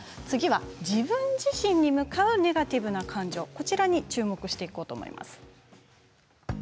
次は自分自身に向かうネガティブな感情、こちらに注目していこうと思います。